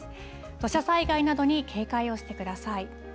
土砂災害などに警戒をしてください。